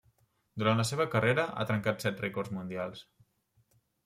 Durant la seva carrera, ha trencat set rècords mundials.